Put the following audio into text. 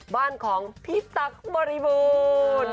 บ้านของพิศักดิ์บริบุส